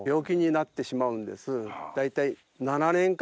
大体。